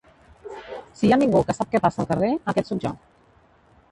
«Si hi ha ningú que sap què passa al carrer, aquest sóc jo!».